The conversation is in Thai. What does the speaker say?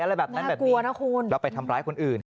อะไรแบบนั้นแบบนี้แล้วไปทำร้ายคนอื่นน่ากลัวนะคุณ